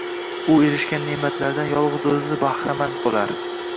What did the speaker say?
U erishgan ne’matlaridan yolg‘iz o‘zi bahramand bo‘lar